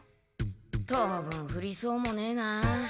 当分ふりそうもねえな。